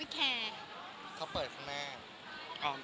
เขาเปิดคุณแม่